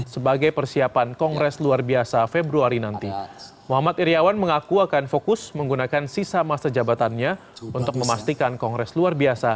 sebagai persiapan kongres luar biasa femilis